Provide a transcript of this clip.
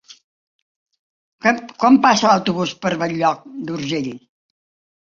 Quan passa l'autobús per Bell-lloc d'Urgell?